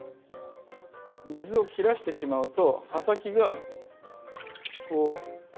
水を切らしてしまうと葉先がこう。